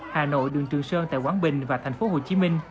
hà nội đường trường sơn tại quảng bình và tp hcm